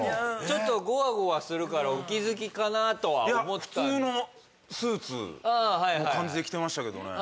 ちょっとゴワゴワするからお気づきかなとは思ったいや普通のスーツの感じで着てましたけどね